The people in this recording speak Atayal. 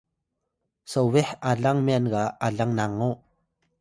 sobeh alang myan ga alang Nango